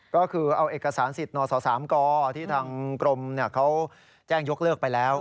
ก็คือเอาเอกสารสิทธิ์นศ๓กที่ทางกรมเขาแจ้งยกเลิกไปแล้ว